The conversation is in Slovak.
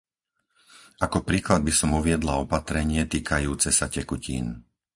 Ako príklad by som uviedla opatrenie týkajúce sa tekutín.